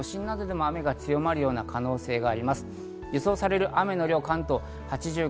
都心などでも雨が強まるような可能性があります。